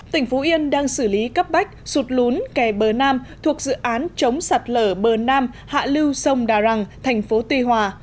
tỉnh phú yên đang xử lý cấp bách sụt lún kè bờ nam thuộc dự án chống sạt lở bờ nam hạ lưu sông đà răng thành phố tuy hòa